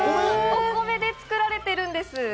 お米で作られてるんです。